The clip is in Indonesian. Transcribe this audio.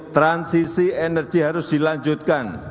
transisi energi harus dilanjutkan